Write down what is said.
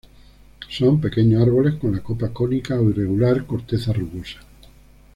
Son pequeños árboles con la copa cónica o irregular, corteza rugosa.